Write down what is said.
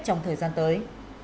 trong thời gian tới